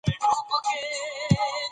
احمدشاه بابا د خپل نسل مشر و.